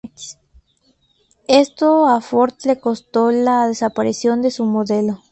Esto a Ford le costó la desaparición de su modelo.